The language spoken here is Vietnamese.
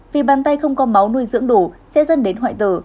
vì bàn tay không có máu nuôi dưỡng đủ sẽ dân đến hoại tử